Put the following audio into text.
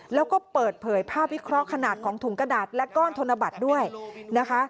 แล้วก็เปิดเผยภาพวิเคราะห์ขนาดของถุงกระดาษและก้อนธนบัตรด้วยนะคะ